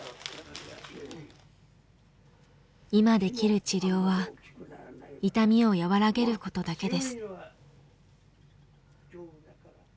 今できる治療は痛みを和らげることだけです。